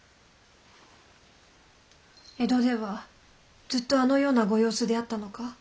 江戸ではずっとあのようなご様子であったのか？